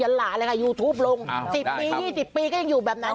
ยันหลาเลยค่ะยูทูปลงอ่าสิบปีสิบปีก็ยังอยู่แบบนั้น